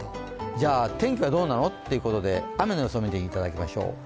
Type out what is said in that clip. じゃあ天気はどうなのということで雨の予想を見ていきましょう。